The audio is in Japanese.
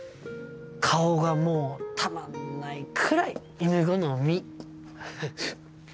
顔がもうたまんないくらい犬好みフフっ。